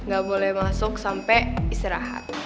gak boleh masuk sampai istirahat